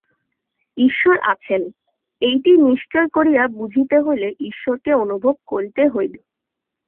ঈশ্বর আছেন, এইটি নিশ্চয় করিয়া বুঝিতে হইলে ঈশ্বরকে অনুভব করিতে হইবে।